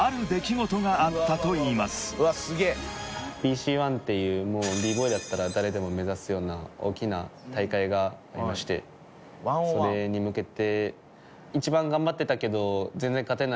ＢＣＯｎｅっていうＢ−ＢＯＹだったら誰でも目指すような大きな大会がありましてそれに向けて。